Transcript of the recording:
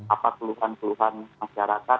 apa peluhan peluhan masyarakat